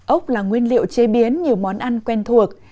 ốc là nguyên liệu chế biến nhiều món ăn quen thuộc